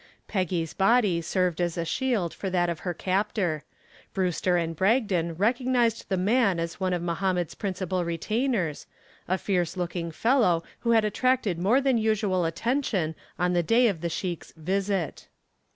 Peggy's body served as a shield for that of her captor. Brewster and Bragdon recognized the man as one of Mohammed's principal retainers, a fierce looking fellow who had attracted more than usual attention on the day of the sheik's visit.